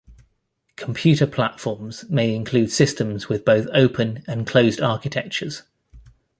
Computer platforms may include systems with both open and closed architectures.